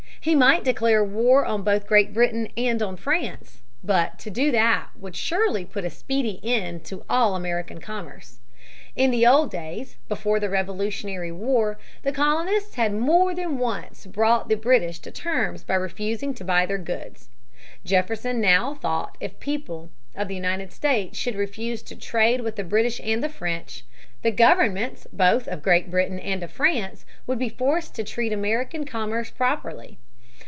He might declare war on both Great Britain and on France. But to do that would surely put a speedy end to all American commerce. In the old days, before the Revolutionary War, the colonists had more than once brought the British to terms by refusing to buy their goods (pp. 84, 85). Jefferson now thought that if the people of the United States should refuse to trade with the British and the French, the governments both of Great Britain and of France would be forced to treat American commerce properly.